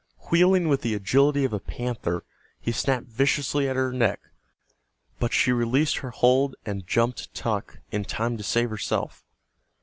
Wheeling with the agility of a panther, he snapped viciously at her neck, but she released her hold and jumped tuck in time to save herself.